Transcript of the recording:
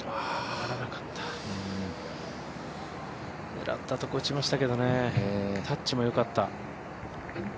狙ったところ打ちましたけどねタッチもよかった。